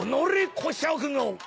こしゃくな」。